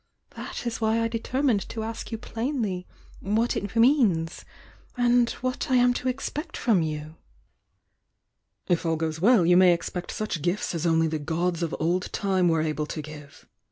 That is why I determined to ask you plainly what it means, and what I am to expect from you!" "If all goes well you may expect such gifts as only the gods of old time were able to give!"